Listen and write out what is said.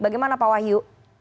bagaimana pak wahyu